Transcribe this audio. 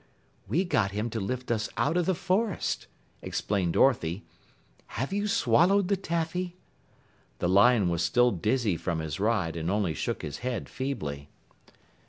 "We got him to lift us out of the forest," explained Dorothy. "Have you swallowed the taffy?" The lion was still dizzy from his ride and only shook his head feebly.